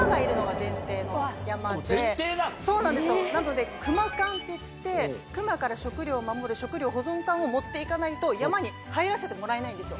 そうなんですよなのでクマ缶っていってクマから食料を守る食料保存缶を持っていかないと山に入らせてもらえないんですよ。